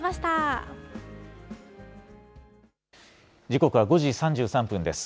時刻は５時３３分です。